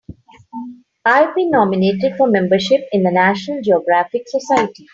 I've been nominated for membership in the National Geographic Society.